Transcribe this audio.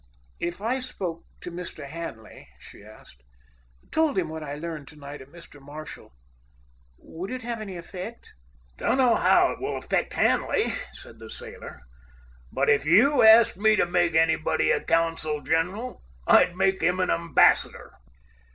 "If I spoke to Mr. Hanley," she asked, "told him what I learned to night of Mr. Marshall, would it have any effect?" "Don't know how it will affect Hanley," said the sailor, "but if you asked me to make anybody a consul general, I'd make him an ambassador."